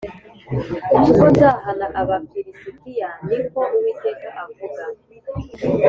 kuko nzahana Abafi lisitiya ni ko uwiteka avuga